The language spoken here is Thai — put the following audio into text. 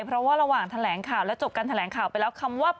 เพราะว่าระหว่างแถลงข่าวและจบการแถลงข่าวไปแล้วคำว่า